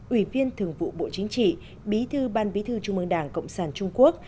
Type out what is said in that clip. ủy viên thường vụ bộ chính trị bí thư ban bí thư trung mương đảng cộng sản trung quốc